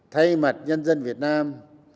thay mặt nhân dân việt nam